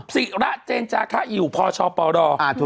ศิระเจนจาคะอยู่พอช้อปอลดอร์